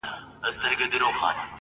د حُسن وږم دې د سترگو زمانه و نه خوري_